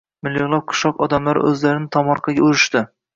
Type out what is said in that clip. — millionlab qishloq odamlari o‘zlarini tomorqalarga urishdi